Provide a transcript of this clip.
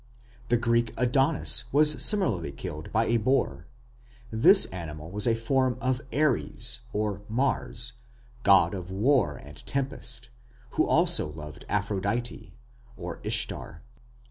The Greek Adonis was similarly killed by a boar. This animal was a form of Ares (Mars), god of war and tempest, who also loved Aphrodite (Ishtar).